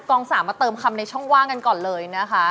๓มาเติมคำในช่องว่างกันก่อนเลยนะคะ